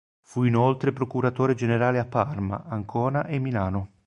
Fu inoltre procuratore generale a Parma, Ancona e Milano.